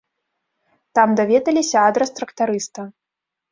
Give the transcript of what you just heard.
Там даведаліся адрас трактарыста.